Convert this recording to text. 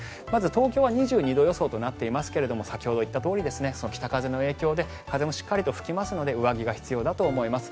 東京は２２度予想となっていますが先ほど言ったとおり北風の影響で風も吹きますので上着が必要だと思います。